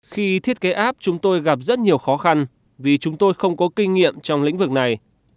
khi thiết kế app chúng tôi gặp rất nhiều khó khăn vì chúng tôi không có kinh nghiệm trong lĩnh vực này